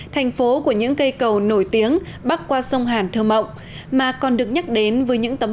thành phố của những cây cầu nổi tiếng bắc qua sông hàn thơ mộng mà còn được nhắc đến với những tấm